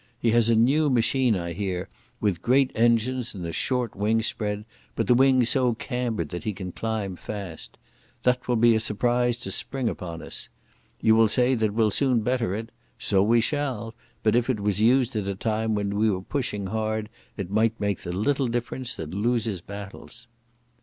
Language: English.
He has a new machine, I hear, with great engines and a short wingspread, but the wings so cambered that he can climb fast. That will be a surprise to spring upon us. You will say that we'll soon better it. So we shall, but if it was used at a time when we were pushing hard it might make the little difference that loses battles."